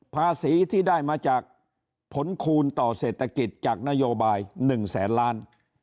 ภาษีที่ได้มาจากผลคูณต่อเศรษฐกิจจากนโยบาย๑แสนล้าน